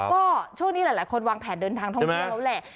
ก็ช่วงนี้หลายคนวางแผนเดินทางท่องเที่ยวแล้วแหละ